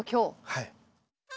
はい。